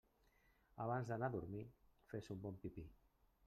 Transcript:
Abans d'anar a dormir, fes un bon pipí.